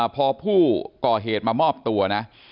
พอผู้ก่อเหตุมามอบตัวนะ